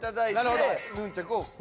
なるほど。